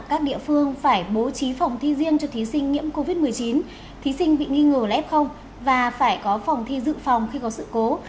các địa phương phải bố trí phòng thi riêng cho thí sinh nhiễm covid một mươi chín thí sinh bị nghi ngờ là f và phải có phòng thi dự phòng khi có sự cố